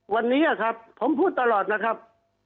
วันนี้ครับผมพูดตลอดนะครับ